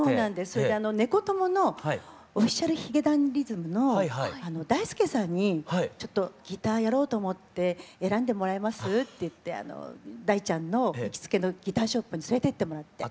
それであの猫友のＯｆｆｉｃｉａｌ髭男ｄｉｓｍの大輔さんにちょっとギターやろうと思って選んでもらえます？って言って大ちゃんの行きつけのギターショップに連れてってもらって。